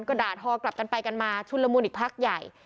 ก็ด่าทอกลับกันไปกันมาชุนละมุนอีกพักใหญ่